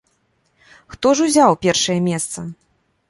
Хто ж узяў першае месца?